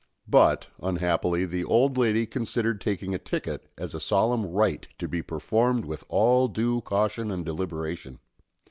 But, unhappily, the old lady considered taking a ticket as a solemn rite to be performed with all due caution and deliberation.